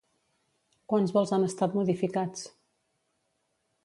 Quants vols han estat modificats?